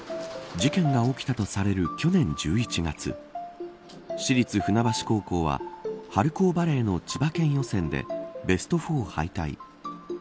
事件が起きたとされる去年１１月市立船橋高校は春高バレーの千葉県予選でベスト４敗退。